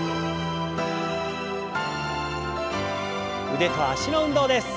腕と脚の運動です。